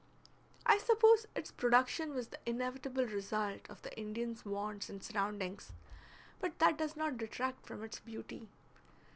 I suppose its production was the inevitable result of the Indian's wants and surroundings, but that does not detract from its beauty.